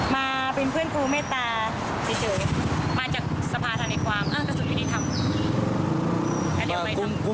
มาเป็นเพื่อนครูเมตตาเฉยมาจากสภาษณ์ในความอ้าวกระสุนวินิธรรม